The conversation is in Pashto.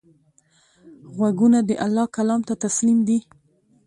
غوږونه د الله کلام ته تسلیم دي